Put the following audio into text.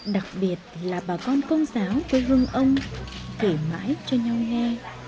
đặc biệt là bà con công giáo của vương ông kể mãi cho nhau nghe